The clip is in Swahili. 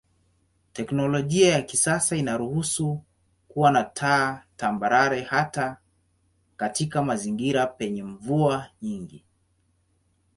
Teknolojia ya kisasa inaruhusu kuwa na taa tambarare hata katika mazingira penye mvua nyingi.